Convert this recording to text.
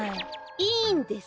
いいんです！